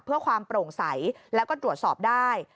เพื่อความโปร่งใสแล้วก็ตรวจสอบได้